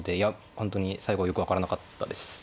本当に最後はよく分からなかったです。